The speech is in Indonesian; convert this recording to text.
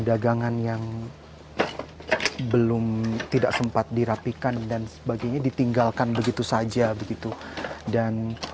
dagangan yang belum tidak sempat dirapikan dan sebagainya ditinggalkan begitu saja begitu dan